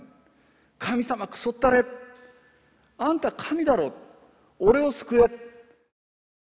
神様くそったれあんた神だろ俺を救え。